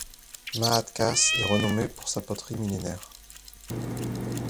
Maâtkas est renommée pour sa poterie millénaire.